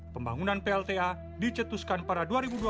pembangunan plta dicetuskan pada dua ribu dua puluh